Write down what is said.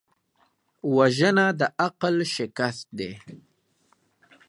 وژنه د عقل شکست دی